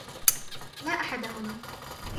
لا أحد هنا.